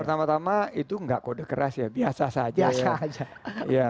pertama tama itu gak kode keras ya biasa saja